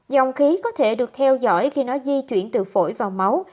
dòng khí có thể được theo dõi khi nó di chuyển từ phổi vào máu